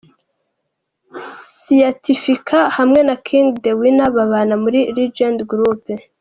Siyatifiki hamwe na King The Winner babana muri Legends Group .